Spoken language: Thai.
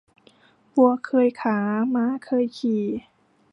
วัวเคยขา ม้าเคยขี่